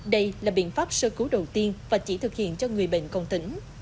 đây là biện pháp sơ cứu đầu tiên và chỉ thực hiện cho người bệnh còn tỉnh